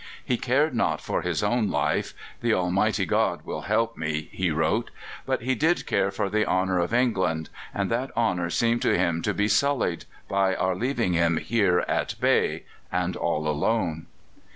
He cared not for his own life "The Almighty God will help me," he wrote but he did care for the honour of England, and that honour seemed to him to be sullied by our leaving him here at bay and all alone!